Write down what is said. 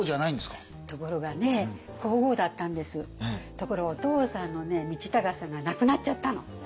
ところがお父さんの道隆さんが亡くなっちゃったの。